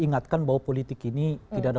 ingatkan bahwa politik ini tidak ada